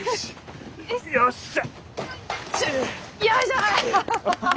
よっしゃ。